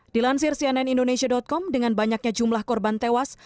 dilansir cnn indonesia com dengan banyaknya jumlah korban tewas